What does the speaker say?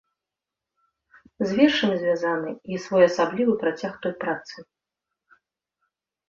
З вершамі звязаны і своеасаблівы працяг той працы.